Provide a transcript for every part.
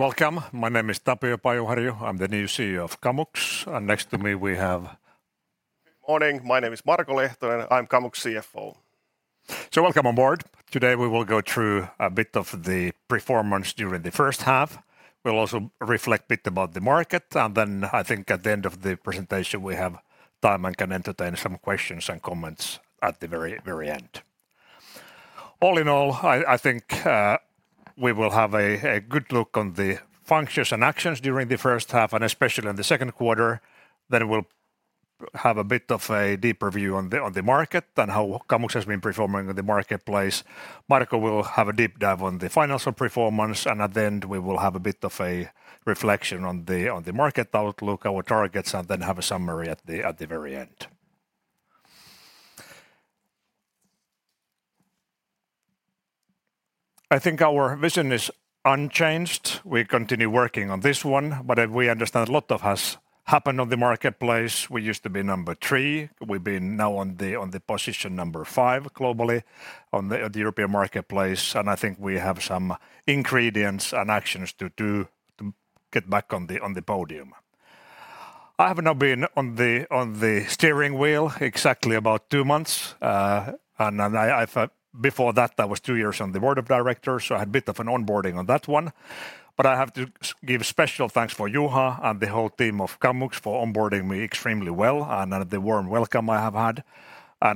Welcome! My name is Tapio Pajuharju. I'm the new CEO of Kamux, and next to me, we have- Good morning. My name is Marko Lehtonen, I'm Kamux CFO. Welcome aboard. Today, we will go through a bit of the performance during the first half. We'll also reflect bit about the market, and then I think at the end of the presentation, we have time and can entertain some questions and comments at the very, very end. All in all, I, I think we will have a good look on the functions and actions during the first half, and especially in the Q2. We'll have a bit of a deeper view on the market and how Kamux has been performing in the marketplace. Marko will have a deep dive on the financial performance, and at the end, we will have a bit of a reflection on the market outlook, our targets, and then have a summary at the very end. I think our vision is unchanged. We continue working on this one. As we understand, a lot of has happened on the marketplace. We used to be number three. We've been now on the, on the position number five globally on the, the European marketplace, and I think we have some ingredients and actions to do to get back on the, on the podium. I have now been on the, on the steering wheel exactly about two months. Then I've Before that, I was two years on the board of directors, so I had a bit of an onboarding on that one. I have to give special thanks for Juha and the whole team of Kamux for onboarding me extremely well and the warm welcome I have had. I,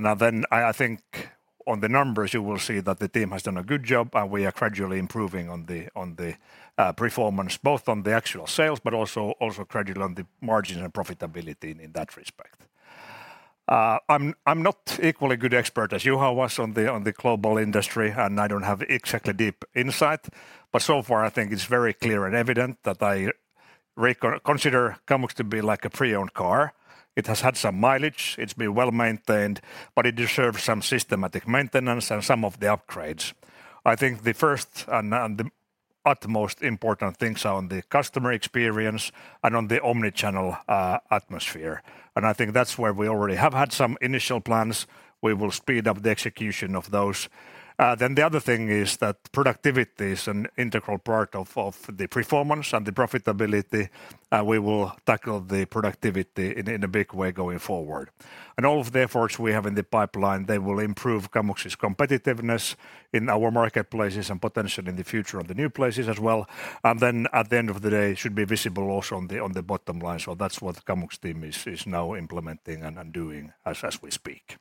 I think on the numbers, you will see that the team has done a good job, and we are gradually improving on the, on the performance, both on the actual sales but also, also gradually on the margin and profitability in, in that respect. I'm, I'm not equally good expert as Juha was on the, on the global industry, and I don't have exactly deep insight, but so far I think it's very clear and evident that I consider Kamux to be like a pre-owned car. It has had some mileage, it's been well-maintained, but it deserves some systematic maintenance and some of the upgrades. I think the first and, and the utmost important things are on the customer experience and on the omnichannel atmosphere, and I think that's where we already have had some initial plans. We will speed up the execution of those. Then the other thing is that productivity is an integral part of, of the performance and the profitability, and we will tackle the productivity in, in a big way going forward. All of the efforts we have in the pipeline, they will improve Kamux's competitiveness in our marketplaces and potentially in the future of the new places as well. Then, at the end of the day, should be visible also on the, on the bottom line. That's what the Kamux team is, is now implementing and, and doing as, as we speak.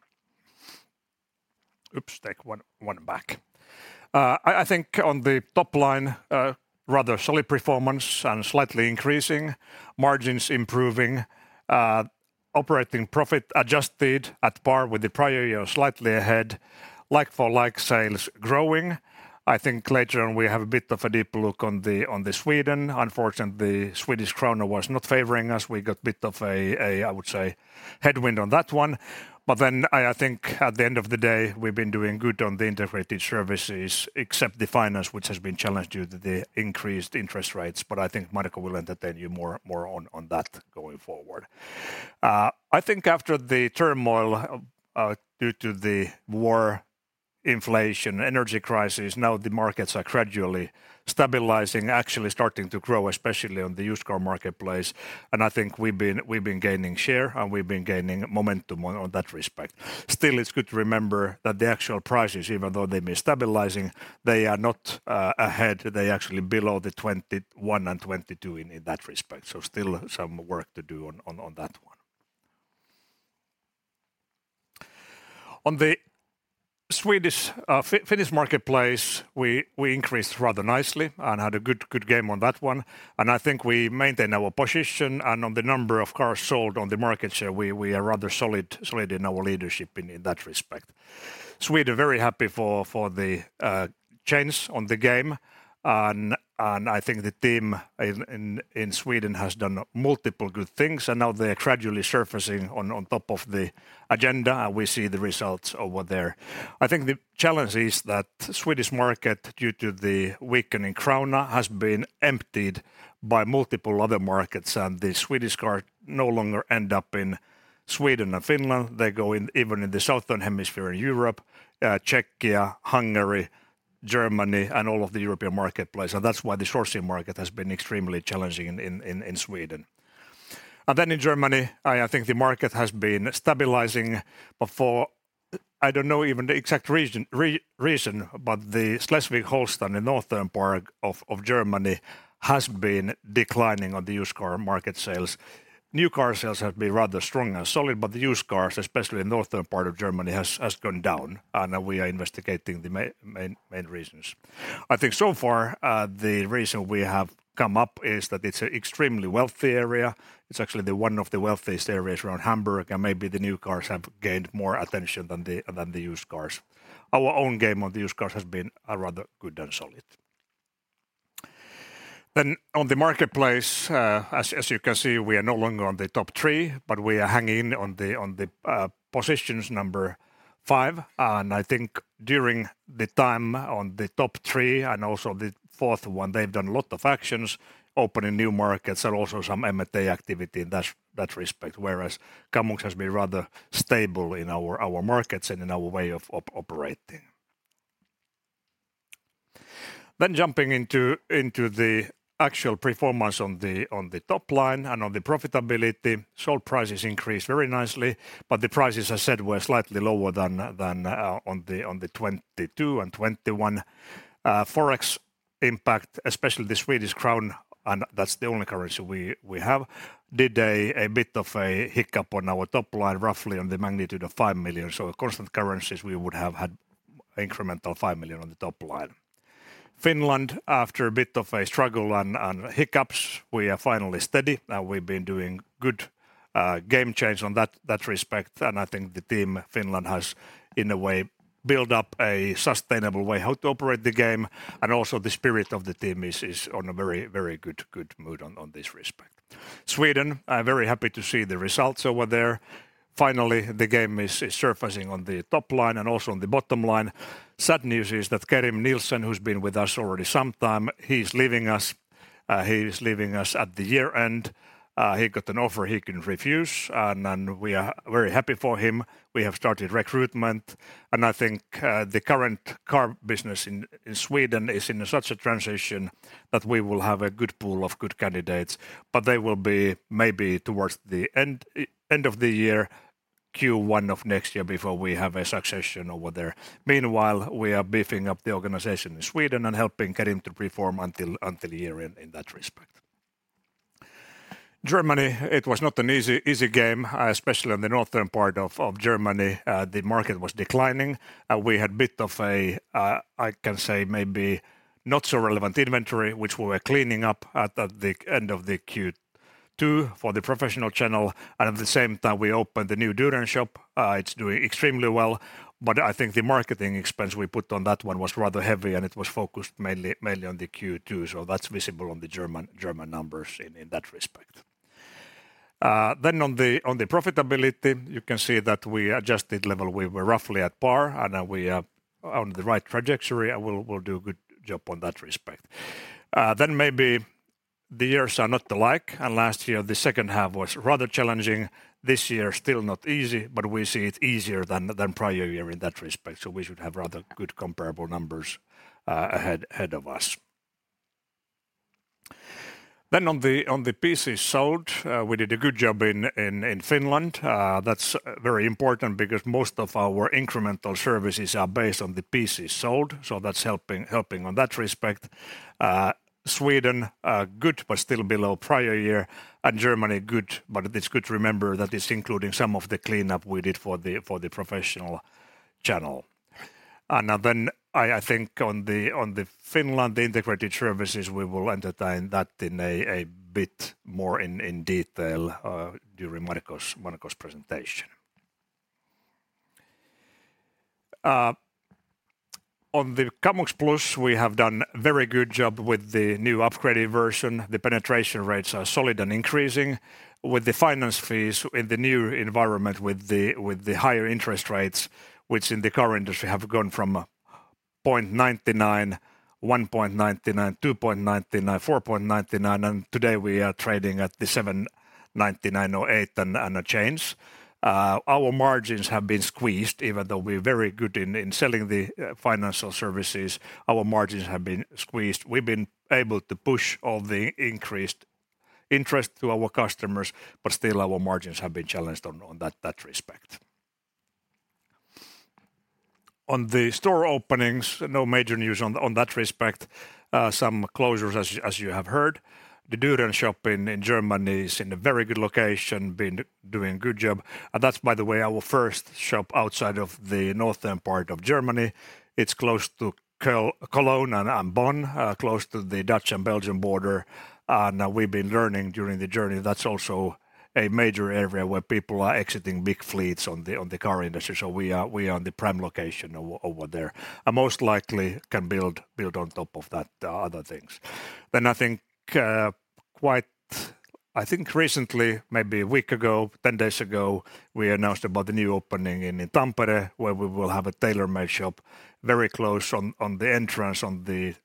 Oops, take one, one back. I, I think on the top line, rather solid performance and slightly increasing, margins improving, operating profit adjusted at par with the prior year, slightly ahead, like-for-like sales growing. I think later on we have a bit of a deeper look on the Sweden. Unfortunately, the SEK was not favoring us. We got a bit of a, I would say, headwind on that one. Then I think at the end of the day, we've been doing good on the integrated services, except the finance, which has been challenged due to the increased interest rates, but I think Marko will entertain you more on that going forward. I think after the turmoil, due to the war, inflation, energy crisis, now the markets are gradually stabilizing, actually starting to grow, especially on the used car marketplace. I think we've been gaining share, and we've been gaining momentum on that respect. Still, it's good to remember that the actual prices, even though they've been stabilizing, they are not ahead. They're actually below the 2021 and 2022 in, in that respect, so still some work to do, on that one. On the Swedish, Finnish marketplace, we, we increased rather nicely and had a good, good game on that one, and I think we maintain our position and on the number of cars sold on the market share, we, we are rather solid, solid in our leadership in, in that respect. Sweden, very happy for, for the change on the game. I think the team in, in, in Sweden has done multiple good things, and now they're gradually surfacing on, on top of the agenda, and we see the results over there. I think the challenge is that Swedish market, due to the weakening krona, has been emptied by multiple other markets. The Swedish car no longer end up in Sweden and Finland. They go in even in the southern hemisphere, in Europe, Czechia, Hungary, Germany, and all of the European marketplace. That's why the sourcing market has been extremely challenging in Sweden. Then in Germany, I, I think the market has been stabilizing before. I don't know even the exact reason, reason, the Schleswig-Holstein, the northern part of, of Germany, has been declining on the used car market sales. New car sales have been rather strong and solid, the used cars, especially in northern part of Germany, has, has gone down. We are investigating the main, main reasons. I think so far, the reason we have come up is that it's an extremely wealthy area. It's actually the one of the wealthiest areas around Hamburg, and maybe the new cars have gained more attention than the, than the used cars. Our own game on the used cars has been rather good and solid. On the marketplace, as, as you can see, we are no longer on the top three, but we are hanging in on the, on the, positions number five. I think during the time on the top three and also the fourth one, they've done a lot of actions, opening new markets and also some M&A activity in that, that respect, whereas Kamux has been rather stable in our, our markets and in our way of operating. Jumping into the actual performance on the top line and on the profitability, sold prices increased very nicely. The prices, as said, were slightly lower than on the 2022 and 2021. Forex impact, especially the SEK, and that's the only currency we have, did a bit of a hiccup on our top line, roughly on the magnitude of 5 million. Constant currencies, we would have had incremental 5 million on the top line. Finland, after a bit of a struggle and hiccups, we are finally steady. Now we've been doing good, game change on that, that respect, and I think the team Finland has, in a way, built up a sustainable way how to operate the game, and also the spirit of the team is, is on a very, very good, good mood on, on this respect. Sweden, I'm very happy to see the results over there. Finally, the game is surfacing on the top line and also on the bottom line. Sad news is that Kerim Nielsen, who's been with us already sometime, he's leaving us. He is leaving us at the year-end. He got an offer he couldn't refuse, and we are very happy for him. We have started recruitment. I think the current car business in Sweden is in such a transition that we will have a good pool of good candidates, but they will be maybe towards the end of the year, Q1 of next year, before we have a succession over there. Meanwhile, we are beefing up the organization in Sweden and helping Kerim to perform until year-end in that respect. Germany, it was not an easy game, especially on the northern part of Germany. The market was declining. We had a bit of a, I can say, maybe not so relevant inventory, which we were cleaning up at the end of the Q2 for the professional channel. At the same time, we opened the new Düren shop. It's doing extremely well, but I think the marketing expense we put on that one was rather heavy, and it was focused mainly, mainly on the Q2, so that's visible on the German, German numbers in, in that respect. On the profitability, you can see that we adjusted level. We were roughly at par, and now we are on the right trajectory, and we'll, we'll do a good job on that respect. Maybe the years are not alike, and last year, the second half was rather challenging. This year, still not easy, but we see it easier than, than prior year in that respect, so we should have rather good comparable numbers ahead, ahead of us. On the pieces sold, we did a good job in Finland. That's very important because most of our incremental services are based on the pieces sold, so that's helping, helping on that respect. Sweden, good but still below prior year, Germany, good, but it's good to remember that it's including some of the cleanup we did for the professional channel. I, I think on the Finland integrated services, we will entertain that in a bit more in detail during Marko's, Marko's presentation. On the Kamux Plus, we have done very good job with the new upgraded version. The penetration rates are solid and increasing with the finance fees in the new environment, with the higher interest rates, which in the car industry have gone from 0.99%, 1.99%, 2.99%, 4.99%, and today we are trading at the 7.99% or 8% and a change. Our margins have been squeezed even though we're very good in selling the financial services, our margins have been squeezed. We've been able to push all the increased interest to our customers, but still our margins have been challenged on that respect. On the store openings, no major news on that respect. Some closures, as you have heard. The Düren shop in Germany is in a very good location, been doing a good job, that's, by the way, our first shop outside of the northern part of Germany. It's close to Cologne and Bonn, close to the Dutch and Belgian border, we've been learning during the journey. That's also a major area where people are exiting big fleets on the car industry, we are on the prime location over there and most likely can build, build on top of that, other things. I think recently, maybe one week ago, 10 days ago, we announced about the new opening in Tampere, where we will have a tailor-made shop very close on the entrance, on the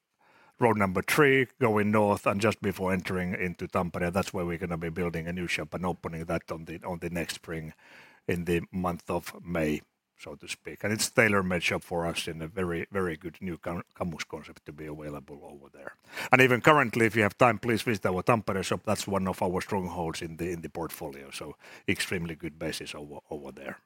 road number three, going north just before entering into Tampere. That's where we're gonna be building a new shop and opening that on the, on the next spring, in the month of May, so to speak. It's tailor-made shop for us in a very, very good new Kamux concept to be available over there. Even currently, if you have time, please visit our Tampere shop. That's one of our strongholds in the, in the portfolio, so extremely good basis over, over there.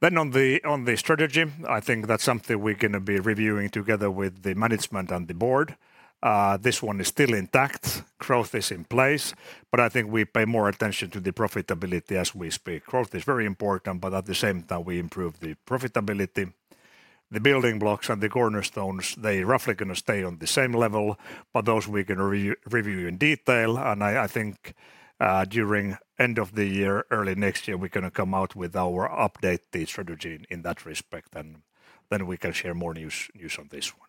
On the, on the strategy, I think that's something we're gonna be reviewing together with the management and the board. This one is still intact. Growth is in place, but I think we pay more attention to the profitability as we speak. Growth is very important, but at the same time, we improve the profitability. The building blocks and the cornerstones, they're roughly gonna stay on the same level. Those we're gonna re-review in detail. I, I think, during end of the year, early next year, we're gonna come out with our updated strategy in that respect. Then we can share more news, news on this one.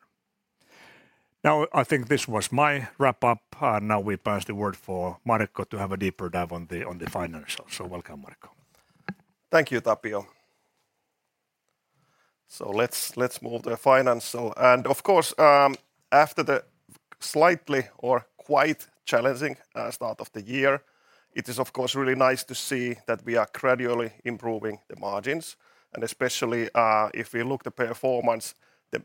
I think this was my wrap-up. Now we pass the word for Marko to have a deeper dive on the financials. Welcome, Marko. Thank you, Tapio. Let's, let's move to the financial, and of course, after the slightly or quite challenging, start of the year. It is, of course, really nice to see that we are gradually improving the margins, and especially, if we look the performance, the,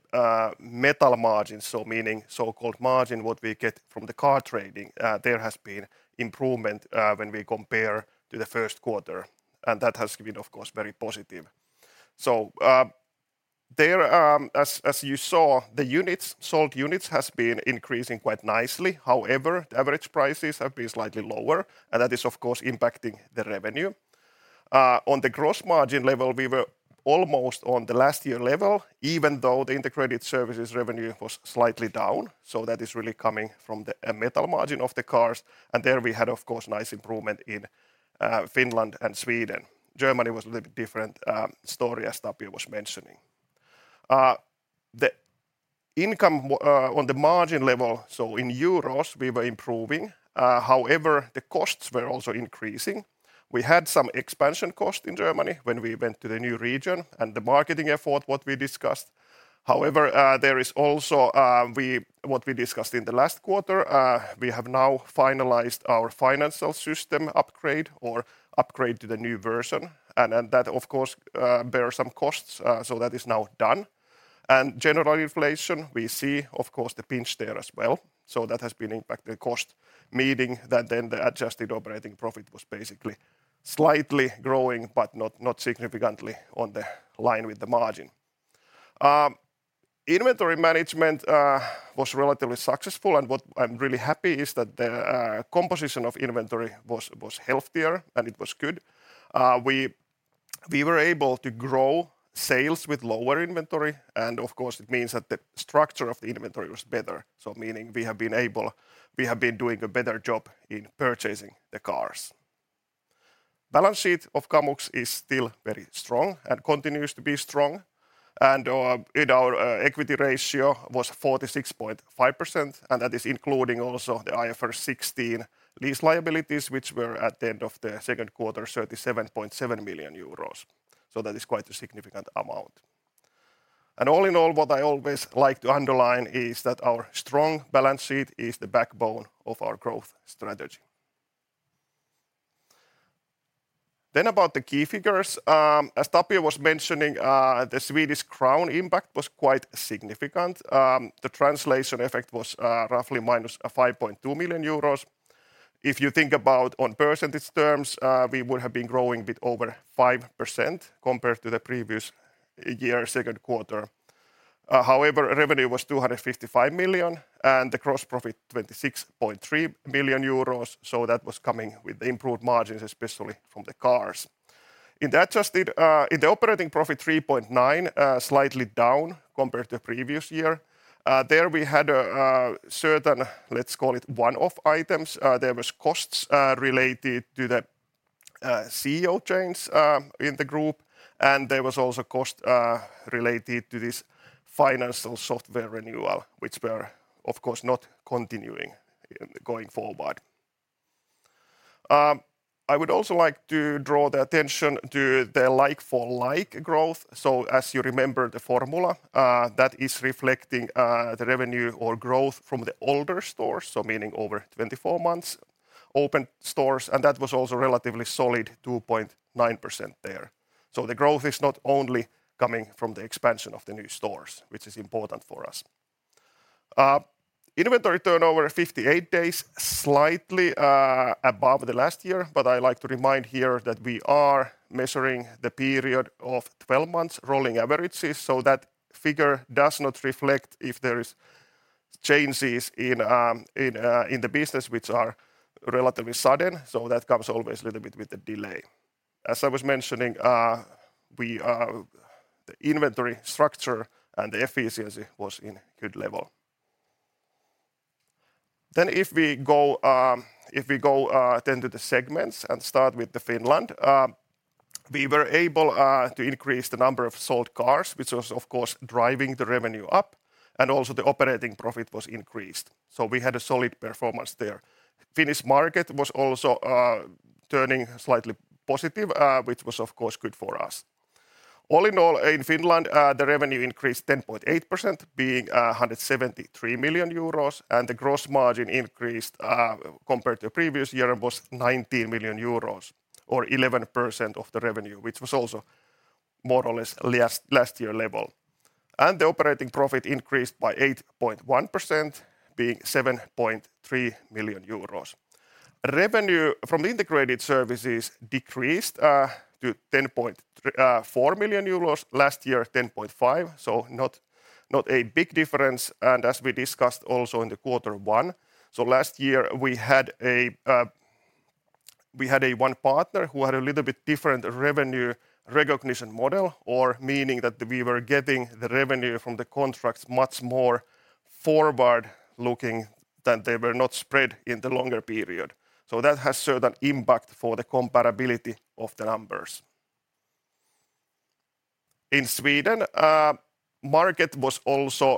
metal margins, so meaning so-called margin, what we get from the car trading, there has been improvement, when we compare to the Q1, and that has been, of course, very positive. There, as, as you saw, the units, sold units has been increasing quite nicely. However, the average prices have been slightly lower, and that is, of course, impacting the revenue. On the gross margin level, we were almost on the last year level, even though the integrated services revenue was slightly down, that is really coming from the metal margin of the cars, there we had, of course, nice improvement in Finland and Sweden. Germany was a little bit different story, as Tapio was mentioning. The income on the margin level, in euros, we were improving, however, the costs were also increasing. We had some expansion cost in Germany when we went to the new region and the marketing effort, what we discussed. There is also what we discussed in the last quarter, we have now finalized our financial system upgrade or upgrade to the new version, that, of course, there are some costs, that is now done. General inflation, we see, of course, the pinch there as well, so that has been impact the cost, meaning that then the adjusted operating profit was basically slightly growing, but not, not significantly on the line with the margin. Inventory management was relatively successful, and what I'm really happy is that the composition of inventory was healthier, and it was good. We, we were able to grow sales with lower inventory, and of course, it means that the structure of the inventory was better, so meaning we have been doing a better job in purchasing the cars. Balance sheet of Kamux is still very strong and continues to be strong. Our equity ratio was 46.5%, and that is including also the IFRS 16 lease liabilities, which were at the end of the Q2, 37.7 million euros. That is quite a significant amount. All in all, what I always like to underline is that our strong balance sheet is the backbone of our growth strategy. About the key figures, as Tapio was mentioning, the Swedish krona impact was quite significant. The translation effect was roughly minus 5.2 million euros. If you think about on percentage terms, we would have been growing a bit over 5% compared to the previous year, Q2. However, revenue was 255 million, the gross profit, 26.3 million euros, that was coming with improved margins, especially from the cars. In the adjusted operating profit, 3.9 million, slightly down compared to the previous year. There we had a certain, let's call it one-off items. There was costs related to the CEO change in the group, there was also cost related to this financial software renewal, which were, of course, not continuing going forward. I would also like to draw the attention to the like-for-like growth. As you remember, the formula that is reflecting the revenue or growth from the older stores, meaning over 24 months, open stores, that was also relatively solid, 2.9% there. The growth is not only coming from the expansion of the new stores, which is important for us. Inventory turnover, 58 days, slightly above the last year, but I like to remind here that we are measuring the period of 12 months rolling averages, so that figure does not reflect if there is changes in in the business, which are relatively sudden, so that comes always a little bit with a delay. As I was mentioning, we the inventory structure and the efficiency was in good level. If we go if we go then to the segments and start with the Finland, we were able to increase the number of sold cars, which was of course driving the revenue up, and also the operating profit was increased, so we had a solid performance there. Finnish market was also turning slightly positive, which was of course good for us. All in all, in Finland, the revenue increased 10.8%, being 173 million euros. The gross margin increased compared to previous year, was 19 million euros, or 11% of the revenue, which was also more or less last year level. The operating profit increased by 8.1%, being 7.3 million euros. Revenue from integrated services decreased. 4 million euros, last year, 10.5, so not, not a big difference, and as we discussed also in Q1, so last year we had a one partner who had a little bit different revenue recognition model, or meaning that we were getting the revenue from the contracts much more forward-looking, that they were not spread in the longer period. In Sweden, market was also,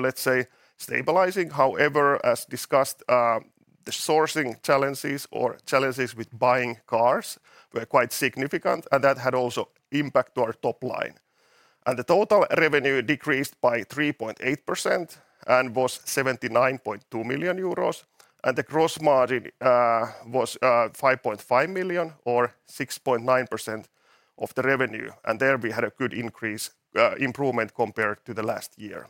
let's say, stabilizing. However, as discussed, the sourcing challenges or challenges with buying cars were quite significant, and that had also impact to our top line. The total revenue decreased by 3.8% and was 79.2 million euros, the gross margin was 5.5 million or 6.9% of the revenue, there we had a good increase, improvement compared to the last year.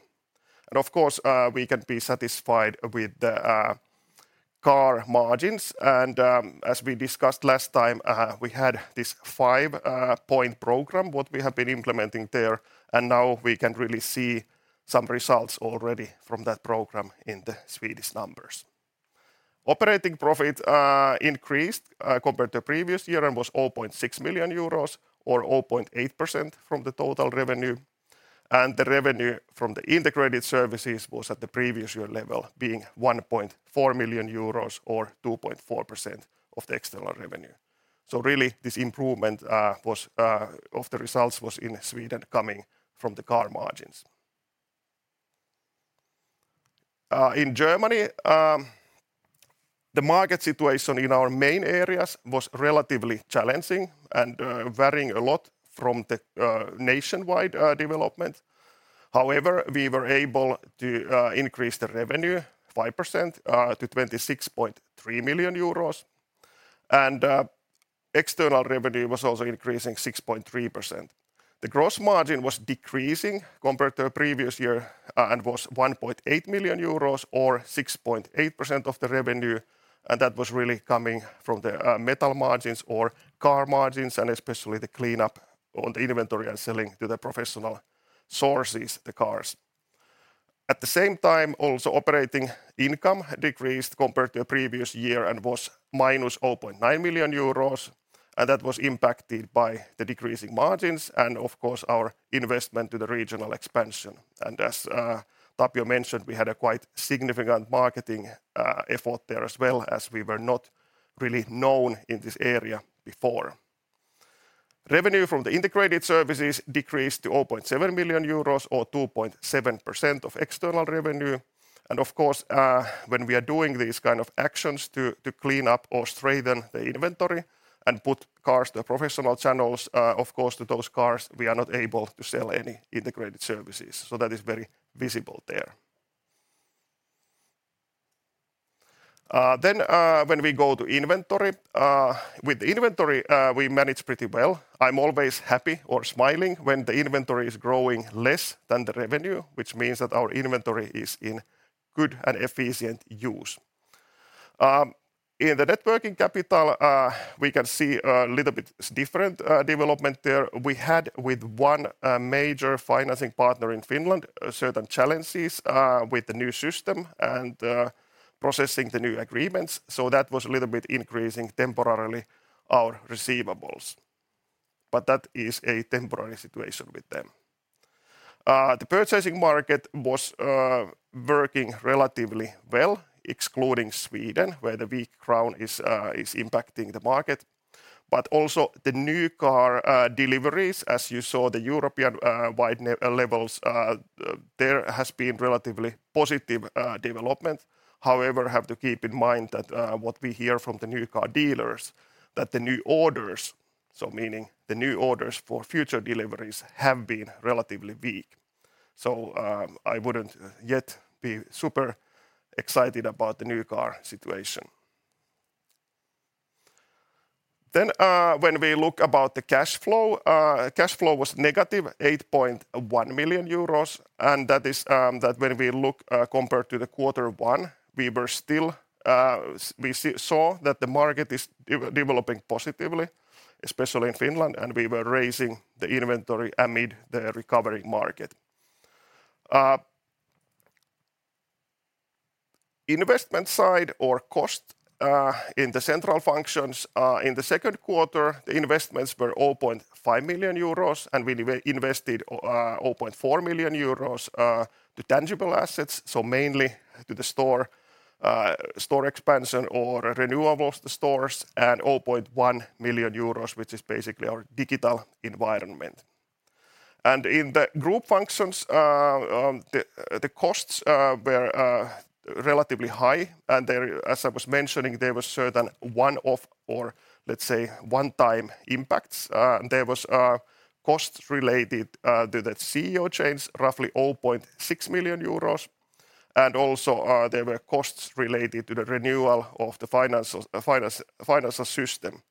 Of course, we can be satisfied with the car margins, as we discussed last time, we had this five-point program, what we have been implementing there, now we can really see some results already from that program in the Swedish numbers. Operating profit increased compared to previous year and was 0.6 million euros or 0.8% from the total revenue. The revenue from the integrated services was at the previous year level, being 1.4 million euros or 2.4% of the external revenue. Really, this improvement of the results was in Sweden, coming from the car margins. In Germany, the market situation in our main areas was relatively challenging and varying a lot from the nationwide development. However, we were able to increase the revenue 5% to 26.3 million euros. External revenue was also increasing 6.3%. The gross margin was decreasing compared to the previous year, and was 1.8 million euros or 6.8% of the revenue. That was really coming from the metal margins or car margins, and especially the cleanup on the inventory and selling to the professional sources, the cars. At the same time, also, operating income decreased compared to the previous year and was minus 0.9 million euros. That was impacted by the decreasing margins and of course, our investment to the regional expansion. As Tapio mentioned, we had a quite significant marketing effort there as well as we were not really known in this area before. Revenue from the integrated services decreased to 0.7 million euros, or 2.7% of external revenue. Of course, when we are doing these kind of actions to, to clean up or straighten the inventory and put cars to professional channels, of course, to those cars, we are not able to sell any integrated services, so that is very visible there. Then, when we go to inventory, with inventory, we manage pretty well. I'm always happy or smiling when the inventory is growing less than the revenue, which means that our inventory is in good and efficient use. In the networking capital, we can see a little bit different, development there. We had with one, major financing partner in Finland, certain challenges, with the new system and, processing the new agreements, so that was a little bit increasing temporarily our receivables, but that is a temporary situation with them. The purchasing market was working relatively well, excluding Sweden, where the weak krona is impacting the market, but also the new car deliveries, as you saw, the European wide levels, there has been relatively positive development. However, have to keep in mind that what we hear from the new car dealers, that the new orders, so meaning the new orders for future deliveries, have been relatively weak, so I wouldn't yet be super excited about the new car situation. When we look about the cash flow, cash flow was negative 8.1 million euros, and that is that when we look compared to the quarter one, we were still we saw that the market is developing positively, especially in Finland, and we were raising the inventory amid the recovery market. Investment side or cost in the central functions, in the Q2, the investments were 0.5 million euros, and we invested 0.4 million euros to tangible assets, so mainly to the store, store expansion or renewables the stores, and 0.1 million euros, which is basically our digital environment. In the group functions, the costs were relatively high, and there, as I was mentioning, there were certain one-off or, let's say, one-time impacts. There was costs related to the CEO change, roughly 0.6 million euros, also, there were costs related to the renewal of the financial system.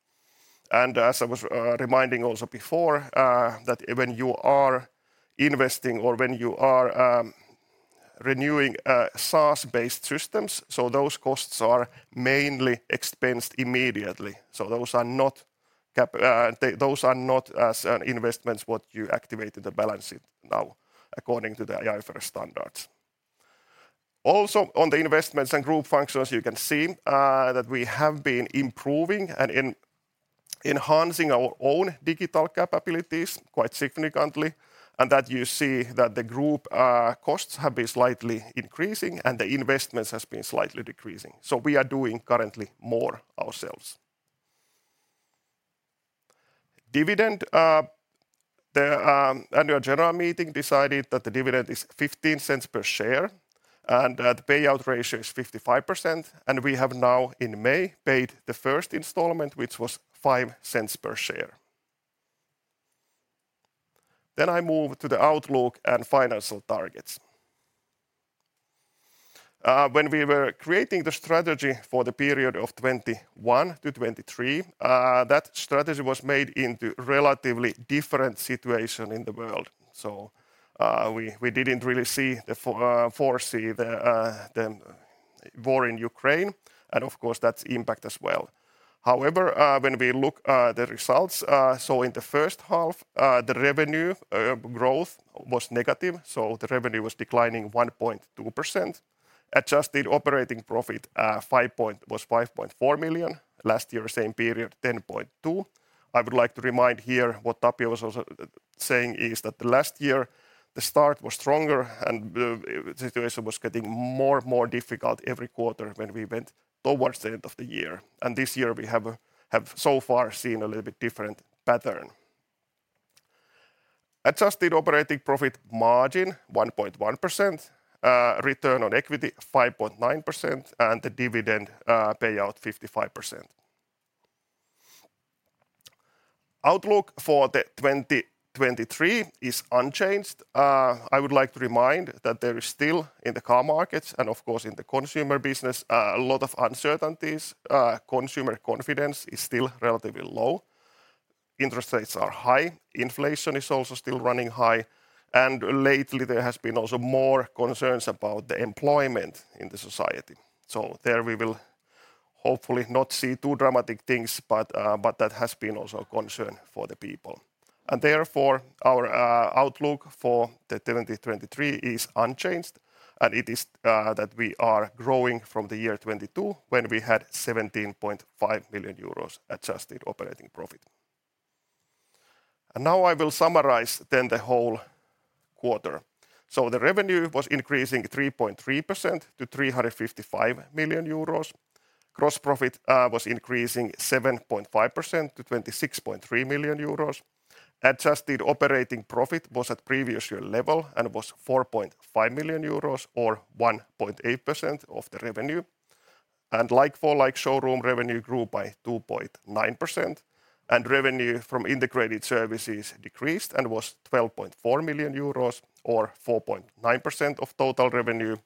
As I was reminding also before, that when you are investing or when you are renewing SaaS-based systems, so those costs are mainly expensed immediately. Those are not cap, those are not as investments, what you activate in the balance sheet now, according to the IFRS standards. Also, on the investments and group functions, you can see that we have been improving and in-enhancing our own digital capabilities quite significantly, and that you see that the group costs have been slightly increasing and the investments has been slightly decreasing. We are doing currently more ourselves. Dividend, the Annual General Meeting decided that the dividend is 0.15 per share, and that the payout ratio is 55%, and we have now, in May, paid the first installment, which was 0.05 per share. I move to the outlook and financial targets. When we were creating the strategy for the period of 2021 to 2023, that strategy was made into relatively different situation in the world. We, we didn't really foresee the war in Ukraine, and of course, that's impact as well. When we look the results, so in the first half, the revenue growth was negative, so the revenue was declining 1.2%. Adjusted operating profit was 5.4 million. Last year, same period, 10.2 million. I would like to remind here what Tapio was also saying, is that the last year, the start was stronger, and the situation was getting more and more difficult every quarter when we went towards the end of the year. This year we have so far seen a little bit different pattern. Adjusted operating profit margin, 1.1%. Return on equity, 5.9%, and the dividend payout, 55%. Outlook for the 2023 is unchanged. I would like to remind that there is still, in the car markets and of course in the consumer business, a lot of uncertainties. Consumer confidence is still relatively low, interest rates are high, inflation is also still running high, and lately, there has been also more concerns about the employment in the society. There we will hopefully not see too dramatic things, but that has been also a concern for the people. Therefore, our outlook for 2023 is unchanged, that we are growing from the year 2022, when we had 17.5 million euros adjusted operating profit. Now I will summarize then the whole quarter. The revenue was increasing 3.3% to 355 million euros. Gross profit was increasing 7.5% to 26.3 million euros. Adjusted operating profit was at previous year level and was 4.5 million euros, or 1.8% of the revenue. Like-for-like showroom revenue grew by 2.9%, and revenue from integrated services decreased and was 12.4 million euros, or 4.9% of total revenue.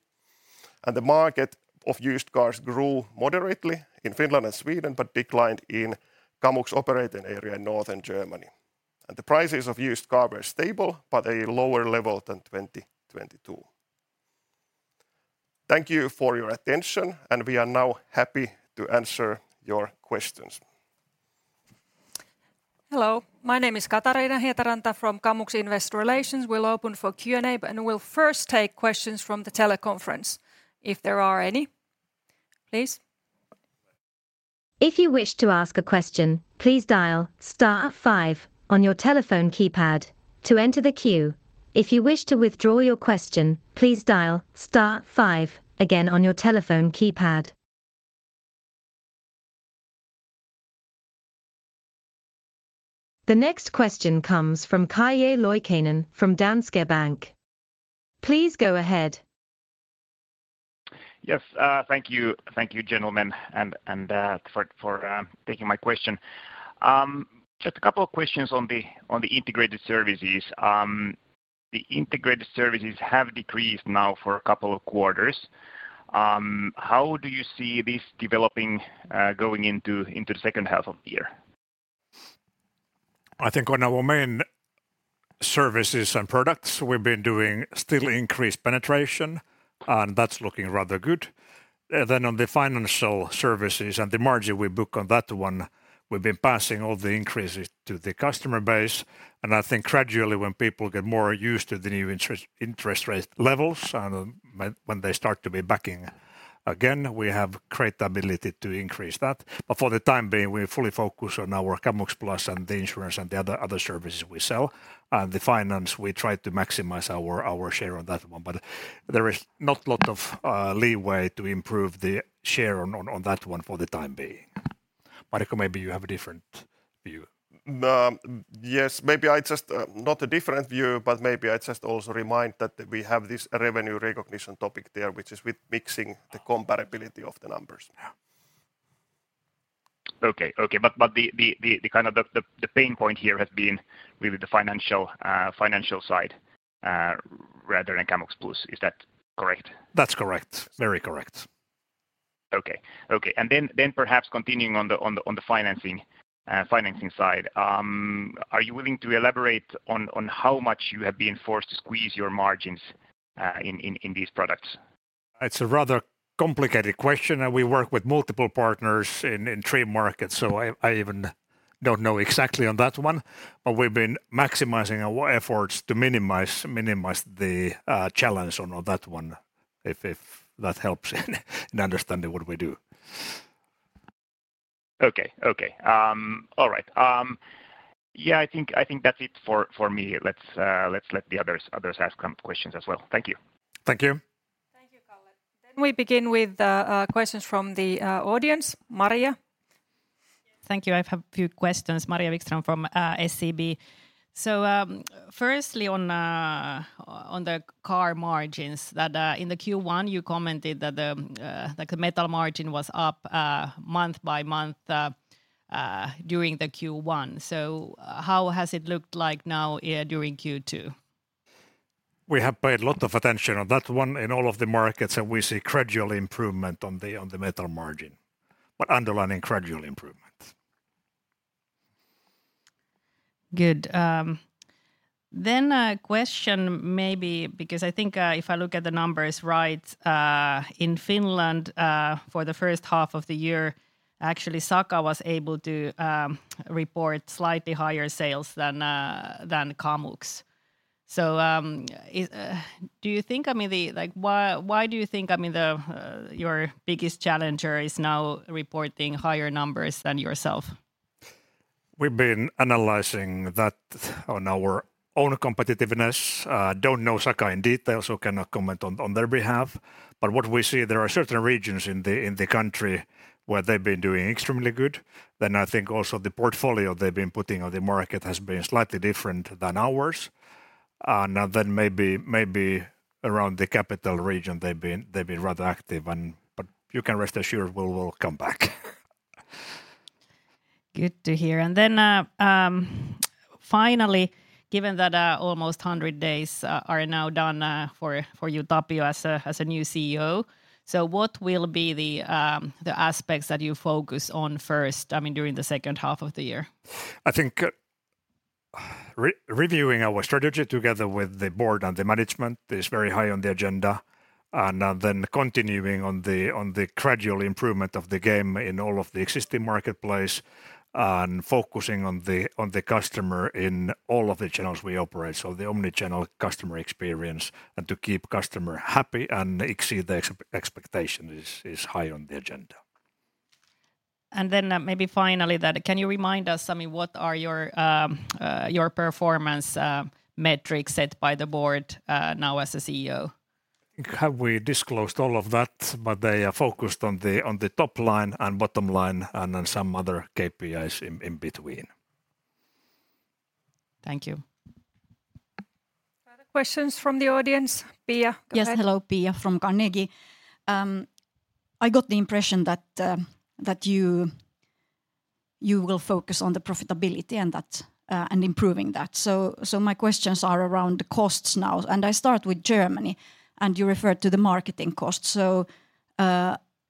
The market of used cars grew moderately in Finland and Sweden, but declined in Kamux operating area in Northern Germany. The prices of used cars were stable, but a lower level than 2022. Thank you for your attention, and we are now happy to answer your questions. Hello, my name is Katariina Hietaranta from Kamux Investor Relations. We'll open for Q&A. We'll first take questions from the teleconference, if there are any. Please. If you wish to ask a question, please dial star five on your telephone keypad to enter the queue. If you wish to withdraw your question, please dial star five again on your telephone keypad. The next question comes from Calle Loikkanen from Danske Bank. Please go ahead. Yes, thank you. Thank you, gentlemen, and for taking my question. Just a couple of questions on the integrated services. The integrated services have decreased now for a couple of quarters. How do you see this developing, going into the H2 of the year? I think on our main services and products, we've been doing still increased penetration, and that's looking rather good. Then on the financial services and the margin we book on that one, we've been passing all the increases to the customer base, and I think gradually, when people get more used to the new interest rate levels, and when they start to be backing again, we have great ability to increase that. For the time being, we're fully focused on our Kamux Plus, and the insurance, and the other services we sell. The finance, we try to maximize our, our share on that one, but there is not lot of leeway to improve the share on that one for the time being. Marko, maybe you have a different view. Yes, maybe I just. Not a different view, but maybe I just also remind that we have this revenue recognition topic there, which is with mixing the comparability of the numbers. Yeah. Okay. Okay, but the, the, the kind of the, the pain point here has been really the financial, financial side, rather than Kamux Plus. Is that correct? That's correct. Very correct. Okay, okay. Then, then perhaps continuing on the, on the, on the financing, financing side, are you willing to elaborate on, on how much you have been forced to squeeze your margins in, in, in these products? It's a rather complicated question, and we work with multiple partners in, in trade markets, so I, I even don't know exactly on that one. We've been maximizing our efforts to minimize, minimize the challenge on, on that one, if, if that helps in understanding what we do. Okay, okay. All right. Yeah, I think, I think that's it for, for me. Let's, let's let the others, others ask some questions as well. Thank you. Thank you. We begin with questions from the audience. Maria? Thank you. I have a few questions. Maria Wikström from SEB. Firstly, on the car margins, that in the Q1, you commented that the like, the metal margin was up month by month during the Q1. How has it looked like now during Q2? We have paid a lot of attention on that one in all of the markets, and we see gradual improvement on the metal margin, but underlying gradual improvements. Good. A question maybe because I think, if I look at the numbers right, in Finland, for the 1st half of the year, actually, SAKA was able to report slightly higher sales than Kamux. Do you think, I mean, why do you think, I mean, the, your biggest challenger is now reporting higher numbers than yourself? We've been analyzing that on our own competitiveness. Don't know SAKA in detail, so cannot comment on, on their behalf. What we see, there are certain regions in the, in the country where they've been doing extremely good. I think also the portfolio they've been putting on the market has been slightly different than ours. Maybe, maybe around the capital region, they've been, they've been rather active and... You can rest assured we will come back. Good to hear. Finally, given that, almost 100 days, are now done, for you, Tapio, as a new CEO, so what will be the aspects that you focus on first, I mean, during the H2 of the year? I think reviewing our strategy together with the board and the management is very high on the agenda. Continuing on the gradual improvement of the game in all of the existing marketplace and focusing on the customer in all of the channels we operate, so the omnichannel customer experience. To keep customer happy and exceed the expectation is high on the agenda. Maybe finally that, can you remind us, I mean, what are your, your performance, metrics set by the Board, now as a CEO? Have we disclosed all of that? They are focused on the, on the top line and bottom line and then some other KPIs in, in between. Thank you. Other questions from the audience? Pia, go ahead. Yes, hello. Pia from Carnegie. I got the impression that you will focus on the profitability and that and improving that. My questions are around the costs now, and I start with Germany. You referred to the marketing costs, so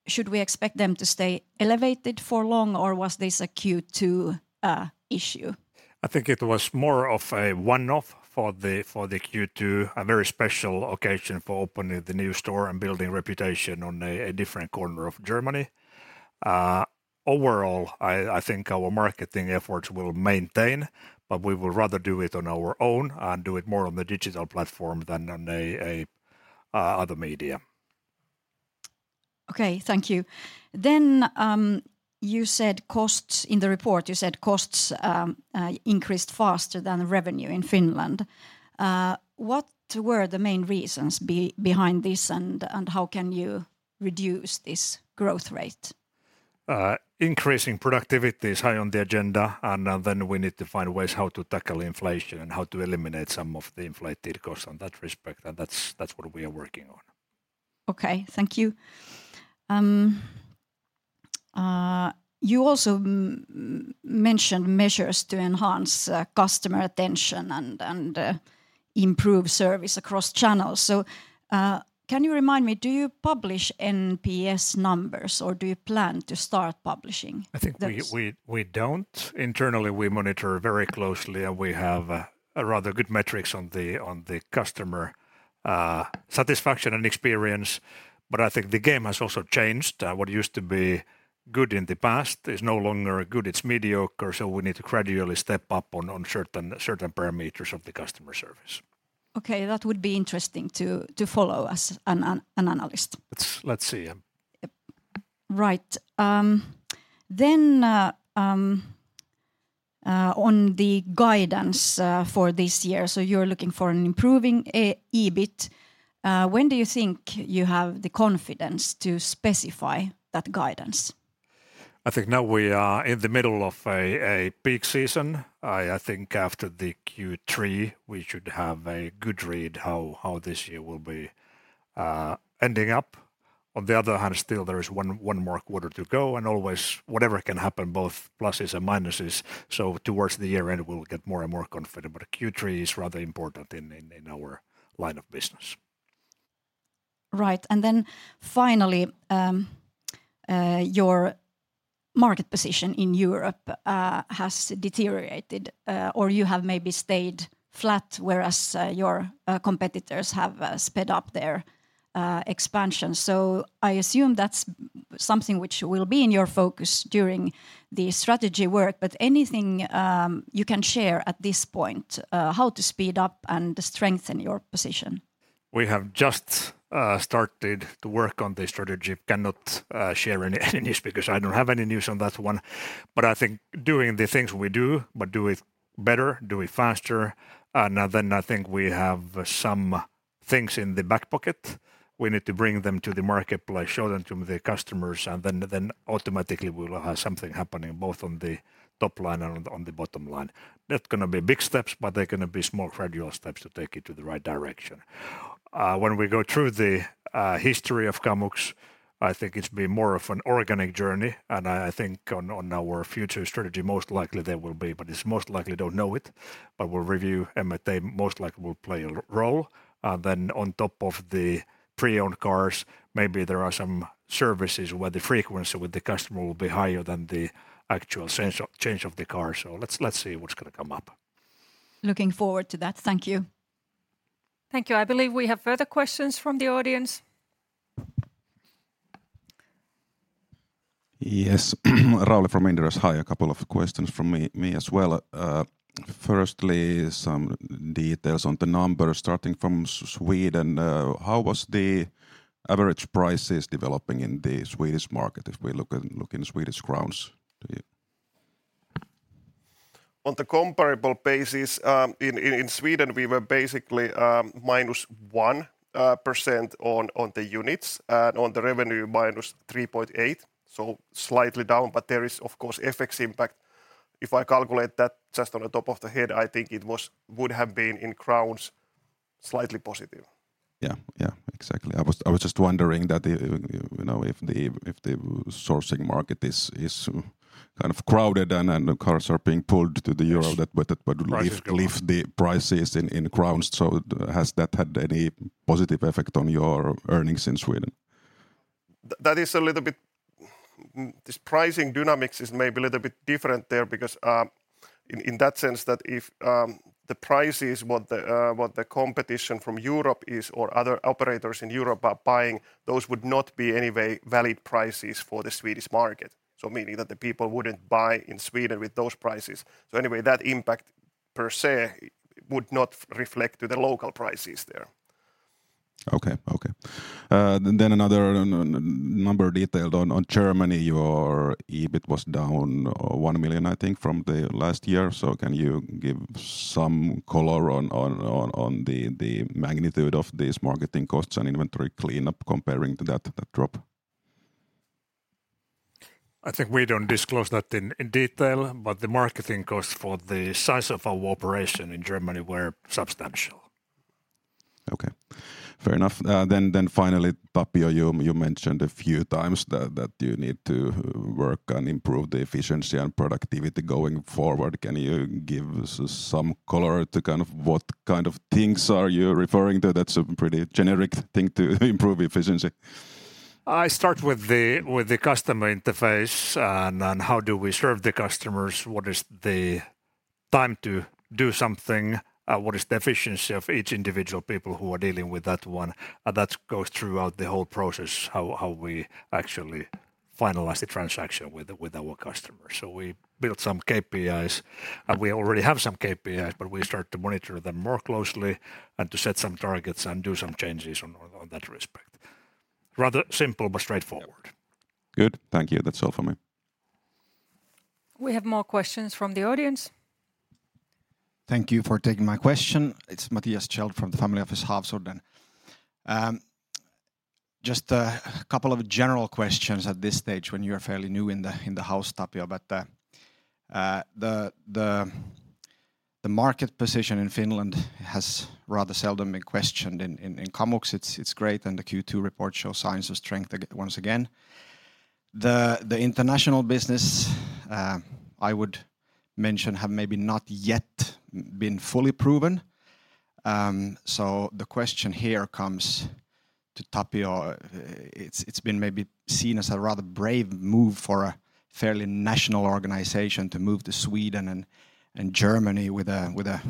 should we expect them to stay elevated for long, or was this a Q2 issue? I think it was more of a one-off for the, for the Q2, a very special occasion for opening the new store and building reputation on a different corner of Germany. Overall, I think our marketing efforts will maintain, but we would rather do it on our own and do it more on the digital platform than on other media. Okay, thank you. You said costs... In the report, you said costs increased faster than revenue in Finland. What were the main reasons behind this, and how can you reduce this growth rate? Increasing productivity is high on the agenda, and then we need to find ways how to tackle inflation and how to eliminate some of the inflated costs on that respect, and that's, that's what we are working on. Okay, thank you. You also mentioned measures to enhance customer attention and improve service across channels. Can you remind me, do you publish NPS numbers, or do you plan to start publishing these? I think we, we, we don't. Internally, we monitor very closely, and we have a, a rather good metrics on the, on the customer satisfaction and experience. I think the game has also changed. What used to be good in the past is no longer good, it's mediocre. We need to gradually step up on, on certain, certain parameters of the customer service. Okay, that would be interesting to, to follow as an analyst. Let's see, yeah. Yep. Right. On the guidance for this year, so you're looking for an improving EBIT. When do you think you have the confidence to specify that guidance? I think now we are in the middle of a peak season. I think after the Q3, we should have a good read how, how this year will be ending up. On the other hand, still there is one, one more quarter to go and always whatever can happen, both pluses and minuses, so towards the year end we will get more and more confident. Q3 is rather important in our line of business. Right. Finally, your market position in Europe has deteriorated or you have maybe stayed flat, whereas your competitors have sped up their expansion. I assume that's something which will be in your focus during the strategy work, but anything you can share at this point, how to speed up and strengthen your position? We have just started to work on the strategy. Cannot share any news because I don't have any news on that one. I think doing the things we do but better, do it faster. Now I think we have some things in the back pocket. We need to bring them to the marketplace, show them to the customers, and then automatically we will have something happening both on the top line and on the bottom line. Not gonna be big steps, but they're gonna be small, gradual steps to take it to the right direction. When we go through the history of Kamux, I think it's been more of an organic journey, and I think on our future strategy, most likely they will be, but it's most likely don't know it. We'll review, and they most likely will play a role. Then on top of the pre-owned cars, maybe there are some services where the frequency with the customer will be higher than the actual change, change of the car. Let's, let's see what's gonna come up. Looking forward to that. Thank you. Thank you. I believe we have further questions from the audience. Yes. Raul from Inderes. Hi, a couple of questions from me, me as well. Firstly, some details on the numbers starting from Sweden. How was the average prices developing in the Swedish market if we look in Swedish crowns to you? On the comparable basis, in, in, in Sweden, we were basically, -1% on the units, and on the revenue, -3.8%. So slightly down, but there is, of course, FX impact. If I calculate that just on the top of the head, I think it was... would have been, in crowns, slightly positive. Yeah, yeah, exactly. I was just wondering that if, you know, if the sourcing market is kind of crowded and the cars are being pulled to the Euro, that would lift- Prices go up.... lift the prices in, in crowns. Has that had any positive effect on your earnings in Sweden? That is a little bit. This pricing dynamics is maybe a little bit different there because, in, in that sense, that if, the price is what the, what the competition from Europe is or other operators in Europe are buying, those would not be, anyway, valid prices for the Swedish market, so meaning that the people wouldn't buy in Sweden with those prices. Anyway, that impact per se would not reflect to the local prices there. Okay, okay. Another number detailed on Germany, your EBIT was down 1 million, I think, from the last year. Can you give some color on the magnitude of these marketing costs and inventory cleanup comparing to that drop? I think we don't disclose that in, in detail, but the marketing costs for the size of our operation in Germany were substantial. Okay, fair enough. Then finally, Tapio, you, you mentioned a few times that, that you need to work and improve the efficiency and productivity going forward. Can you give some color to kind of what kind of things are you referring to? That's a pretty generic thing to improve efficiency. I start with the, with the customer interface. How do we serve the customers? What is the time to do something? What is the efficiency of each individual people who are dealing with that one? That goes throughout the whole process, how, how we actually finalize the transaction with our customers. We built some KPIs, and we already have some KPIs. We start to monitor them more closely and to set some targets and do some changes on, on, on that respect. Rather simple, but straightforward. Good. Thank you. That's all for me. We have more questions from the audience. Thank you for taking my question. It's Matthias [Kjellman] from the family office Hafsorden. Just couple general questions at this stage when you're fairly new in the, in the house, Tapio. The market position in Finland has rather seldom been questioned. In Kamux, it's, it's great, and the Q2 report show signs of strength once again. The international business, I would mention, have maybe not yet been fully proven. The question here comes to Tapio. It's, it's been maybe seen as a rather brave move for a fairly national organization to move to Sweden and, and Germany with a, with a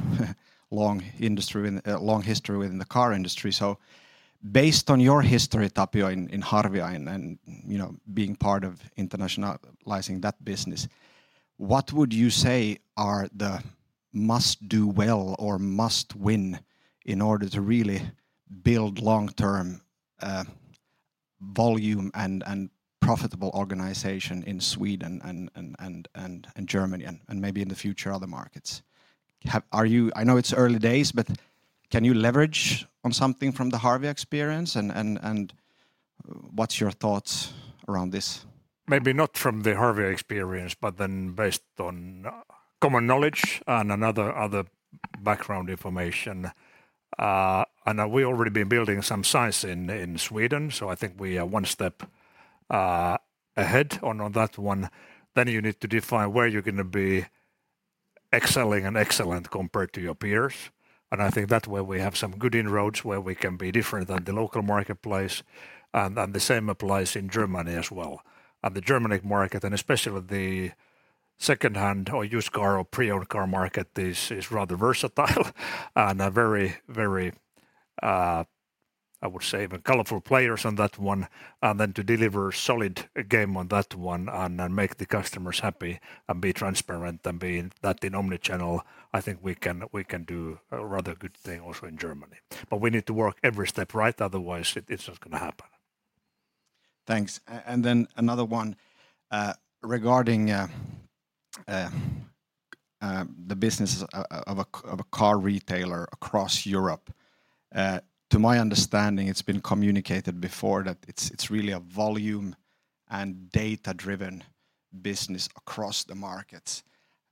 long industry in, long history within the car industry. Based on your history, Tapio, in, in Harvia, and, and, you know, being part of internationalizing that business, what would you say are the must-do well or must win in order to really build long-term volume and, and profitable organization in Sweden and, and, and, and Germany, and, and maybe in the future, other markets? Have... Are you... I know it's early days, but can you leverage on something from the Harvia experience, and, and, and what's your thoughts around this? Maybe not from the Harvia experience, but then based on common knowledge and another other background information. We already been building some science in Sweden, so I think we are one step ahead on that one. You need to define where you're gonna be excelling and excellent compared to your peers, and I think that way we have some good inroads where we can be different than the local marketplace. The same applies in Germany as well. The Germanic market, and especially the second-hand, or used car, or pre-owned car market, is, is rather versatile and a very, very, I would say, even colorful players on that one. To deliver solid game on that one and, and make the customers happy and be transparent and being that in omnichannel, I think we can, we can do a rather good thing also in Germany. We need to work every step right, otherwise it, it's not gonna happen.... Thanks. And then another one, regarding the business of a car retailer across Europe. To my understanding, it's been communicated before that it's, it's really a volume and data-driven business across the markets,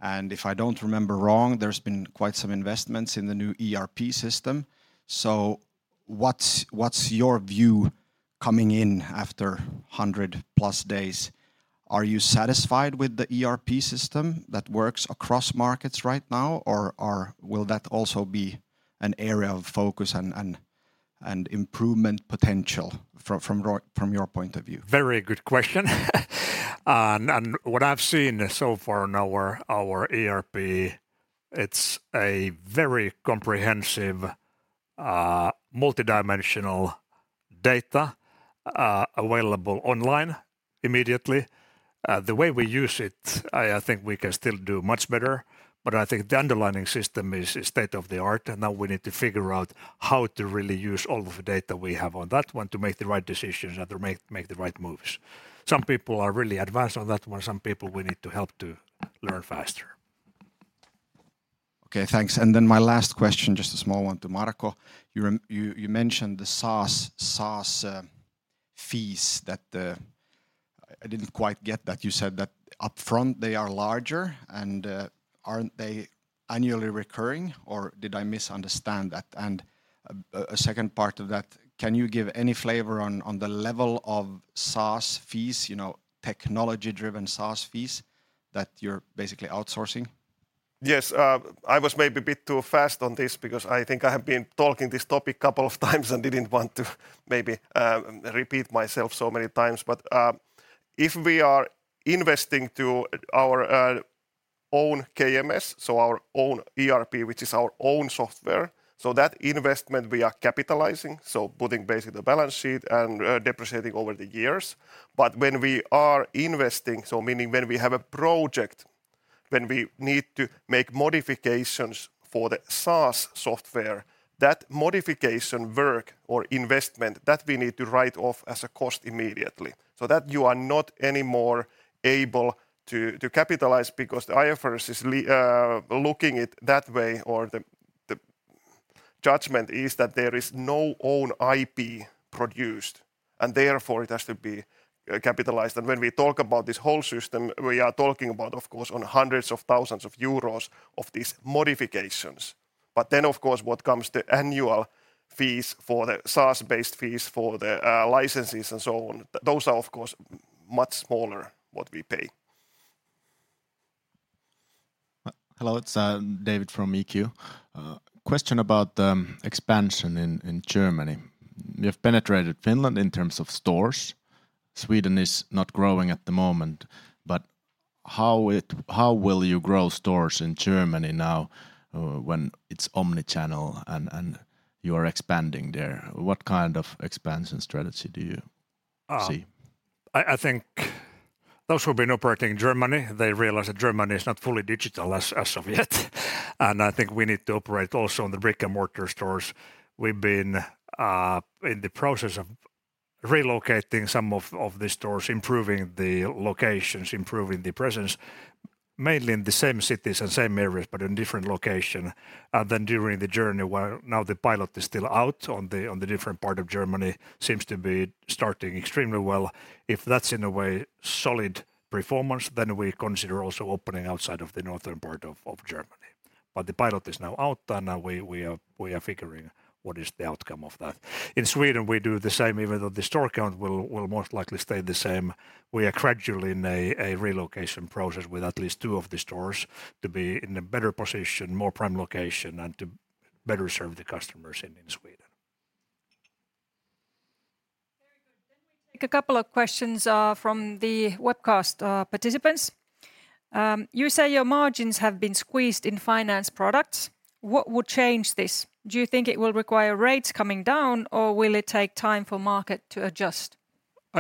and if I don't remember wrong, there's been quite some investments in the new ERP system. What's your view coming in after 100-plus days? Are you satisfied with the ERP system that works across markets right now, or, or will that also be an area of focus and, and, and improvement potential from, from your, from your point of view? Very good question. And what I've seen so far in our, our ERP, it's a very comprehensive, multidimensional data available online immediately. The way we use it, I, I think we can still do much better, but I think the underlying system is, is state-of-the-art, and now we need to figure out how to really use all of the data we have on that one to make the right decisions and to make, make the right moves. Some people are really advanced on that one, some people we need to help to learn faster. Okay, thanks. My last question, just a small one to Marko. You mentioned the SaaS, SaaS fees that. I didn't quite get that. You said that upfront they are larger and, aren't they annually recurring, or did I misunderstand that? A second part of that, can you give any flavor on, on the level of SaaS fees, you know, technology-driven SaaS fees, that you're basically outsourcing? Yes, I was maybe a bit too fast on this because I think I have been talking this topic couple of times and didn't want to maybe repeat myself so many times. If we are investing to our own KMS, so our own ERP, which is our own software, so that investment we are capitalizing, so putting basically the balance sheet and depreciating over the years. When we are investing, so meaning when we have a project, when we need to make modifications for the SaaS software, that modification work or investment, that we need to write off as a cost immediately, so that you are not anymore able to, to capitalize because the IFRS is looking it that way, or the, the judgment is that there is no own IP produced, and therefore it has to be capitalized. When we talk about this whole system, we are talking about, of course, on hundreds of thousands EUR of these modifications. Then, of course, what comes the annual fees for the SaaS-based fees for the licenses and so on, those are, of course, much smaller what we pay. Hello, it's David from eQ. Question about expansion in Germany. You have penetrated Finland in terms of stores. Sweden is not growing at the moment, but how will you grow stores in Germany now, when it's omnichannel and you are expanding there? What kind of expansion strategy do you see? I think those who have been operating in Germany, they realize that Germany is not fully digital as of yet. I think we need to operate also on the brick-and-mortar stores. We've been in the process of relocating some of the stores, improving the locations, improving the presence, mainly in the same cities and same areas, but in different location. Then during the journey, where now the pilot is still out on the different part of Germany, seems to be starting extremely well. If that's in a way solid performance, then we consider also opening outside of the northern part of Germany. The pilot is now out, and now we are figuring what is the outcome of that. In Sweden, we do the same. Even though the store count will most likely stay the same, we are gradually in a relocation process with at least two of the stores to be in a better position, more prime location, and to better serve the customers in Sweden. Very good. We take a couple of questions from the webcast participants. You say your margins have been squeezed in finance products. What would change this? Do you think it will require rates coming down, or will it take time for market to adjust?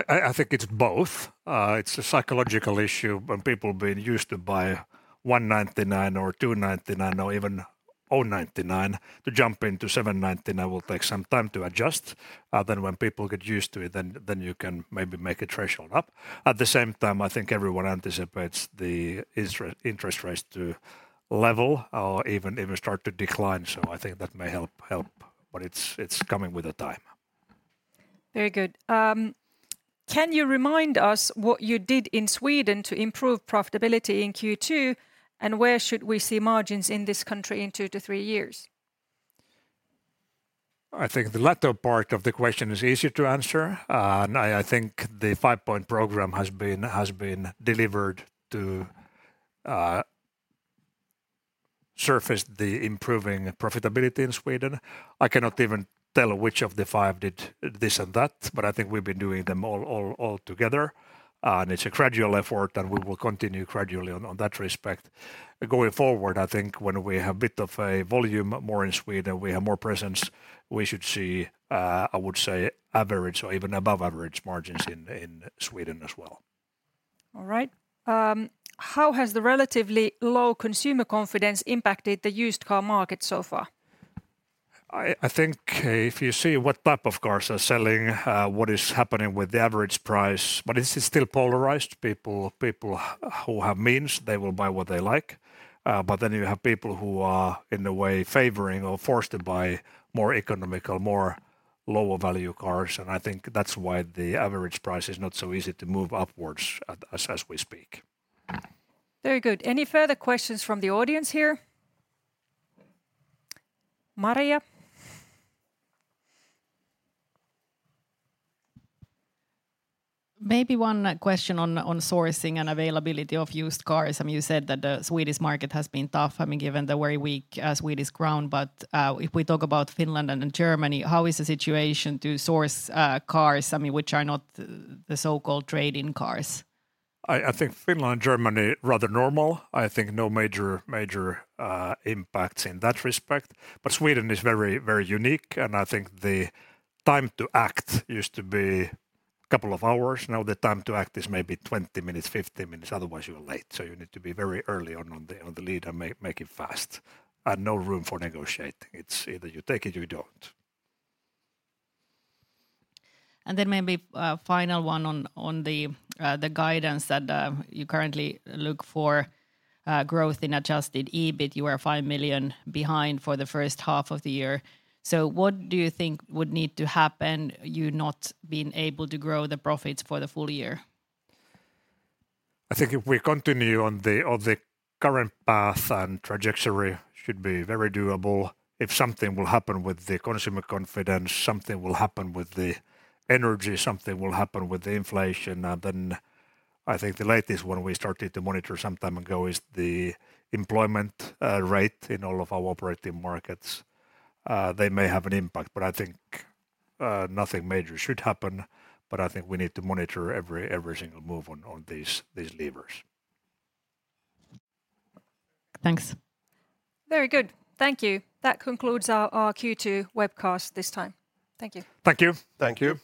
I think it's both. It's a psychological issue when people been used to buy 199 or 299 or even 099, to jump into 799 will take some time to adjust. Then when people get used to it, then, then you can maybe make a threshold up. At the same time, I think everyone anticipates the interest rates to level or even, even start to decline, so I think that may help, help, but it's, it's coming with the time. Very good. Can you remind us what you did in Sweden to improve profitability in Q2, and where should we see margins in this country in 2-3 years? I think the latter part of the question is easier to answer. I, I think the five-point program has been, has been delivered to, surface the improving profitability in Sweden. I cannot even tell which of the five did this and that, but I think we've been doing them all, all, all together. It's a gradual effort, and we will continue gradually on, on that respect. Going forward, I think when we have a bit of a volume more in Sweden, we have more presence, we should see, I would say, average or even above average margins in, in Sweden as well. All right. How has the relatively low consumer confidence impacted the used car market so far?... I, I think, if you see what type of cars are selling, what is happening with the average price. It is still polarized. People, people who have means, they will buy what they like. Then you have people who are, in a way, favoring or forced to buy more economical, more lower value cars, I think that's why the average price is not so easy to move upwards at, as, as we speak. Very good. Any further questions from the audience here? Maria? Maybe one question on, on sourcing and availability of used cars. I mean, you said that the Swedish market has been tough, I mean, given the very weak Swedish krona. If we talk about Finland and in Germany, how is the situation to source cars, I mean, which are not the so-called trade-in cars? I, I think Finland and Germany, rather normal. I think no major, major impacts in that respect. Sweden is very, very unique, and I think the time to act used to be couple of hours, now the time to act is maybe 20 minutes, 15 minutes, otherwise you are late. You need to be very early on, on the, on the lead and make, make it fast. No room for negotiating. It's either you take it or you don't. Maybe a final one on, on the guidance that you currently look for growth in adjusted EBIT. You are 5 million behind for the first half of the year. What do you think would need to happen, you not being able to grow the profits for the full year? I think if we continue on the, on the current path and trajectory, should be very doable. If something will happen with the consumer confidence, something will happen with the energy, something will happen with the inflation, then I think the latest one we started to monitor some time ago is the employment rate in all of our operating markets. They may have an impact, but I think nothing major should happen, but I think we need to monitor every, every single move on, on these, these levers. Thanks. Very good. Thank you. That concludes our, our Q2 webcast this time. Thank you. Thank you. Thank you!